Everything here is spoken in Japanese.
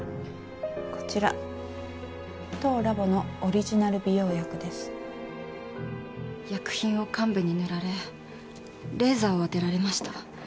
こちら当ラボのオリジナル薬品を患部に塗られレーザーを当てられました。